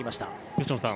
吉野さん